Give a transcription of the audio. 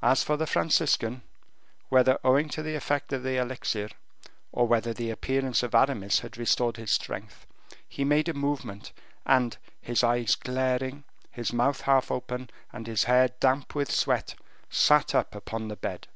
As for the Franciscan, whether owing to the effect of the elixir, or whether the appearance of Aramis had restored his strength, he made a movement, and his eyes glaring, his mouth half open, and his hair damp with sweat, sat up upon the bed.